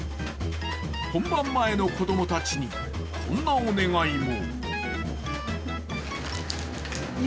本番前の子供たちにこんなお願いを。